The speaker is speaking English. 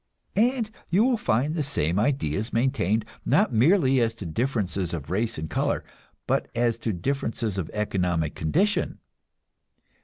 And you will find the same ideas maintained, not merely as to differences of race and color, but as to differences of economic condition.